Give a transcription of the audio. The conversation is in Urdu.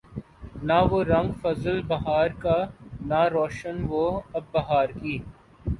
نہ وہ رنگ فصل بہار کا نہ روش وہ ابر بہار کی